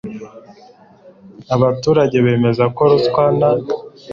abaturage bemeza ko ruswa n